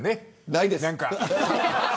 ないです。